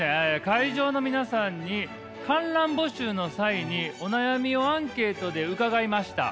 会場の皆さんに観覧募集の際にお悩みをアンケートで伺いました。